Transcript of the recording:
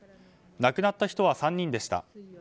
亡くなった人は３人でした。